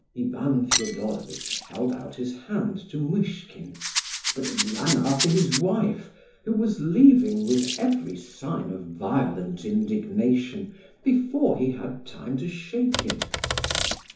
Ivan Fedorovitch held out his hand to Muishkin, but ran after his wife, who was leaving with every sign of violent indignation, before he had time to shake it.